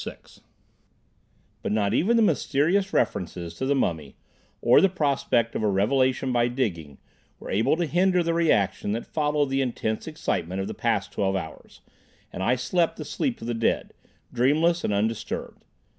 IV But not even the mysterious references to the mummy, or the prospect of a revelation by digging, were able to hinder the reaction that followed the intense excitement of the past twelve hours, and I slept the sleep of the dead, dreamless and undisturbed.